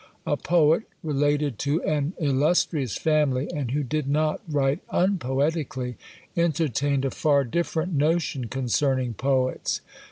A poet, related to an illustrious family, and who did not write unpoetically, entertained a far different notion concerning poets.